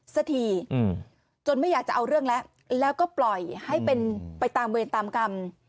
สักทีจนไม่อยากจะเอาเรื่องแล้วแล้วก็ปล่อยให้เป็นไปตามเวรตามกรรม